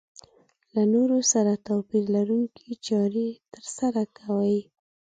له نورو سره توپير لرونکې چارې ترسره کوي.